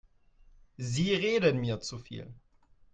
Sie reden mir zu viel.